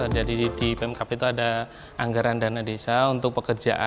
jadi di pmkp itu ada anggaran dana desa untuk pekerjaan